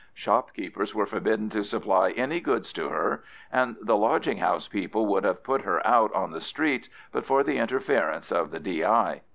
Shopkeepers were forbidden to supply any goods to her, and the lodging house people would have put her out on the streets but for the interference of the D.I.